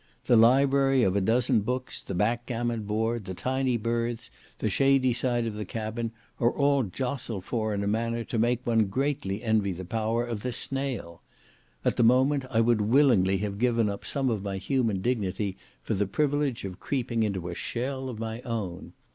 The library of a dozen books, the backgammon board, the tiny berths, the shady side of the cabin, are all jostled for in a manner to make one greatly envy the power of the snail; at the moment I would willingly have given up some of my human dignity for the privilege of creeping into a shell of my own.